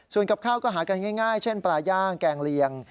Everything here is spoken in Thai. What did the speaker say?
ส่วนกับข้าวก็หากันง่ายเช่นปลาย่างแกงเลียง